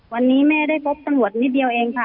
วันนี้แม่ได้พบตำรวจนิดเดียวเองค่ะ